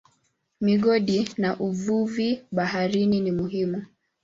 Migodi na uvuvi baharini ni muhimu.